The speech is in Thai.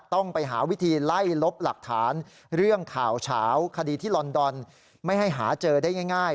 ต้องไปหาวิธีไล่ลบหลักฐานเรื่องข่าวเฉาคดีที่ลอนดอนไม่ให้หาเจอได้ง่าย